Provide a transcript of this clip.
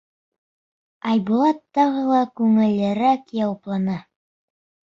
Айбулат тағы ла күңеллерәк яуапланы: